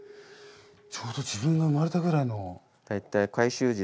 ちょうど自分が生まれたぐらいの。